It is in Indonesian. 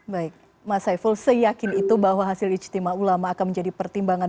baik mas saiful seyakin itu bahwa hasil ijtima ulama akan menjadi pertimbangan